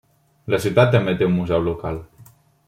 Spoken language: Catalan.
La ciutat també té un museu local.